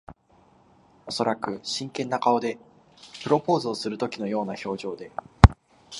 おそらく真剣な顔で。プロポーズをするときのような表情で。